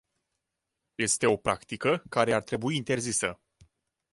Este o practică care ar trebui interzisă.